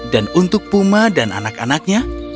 dan untuk puma dan anak anaknya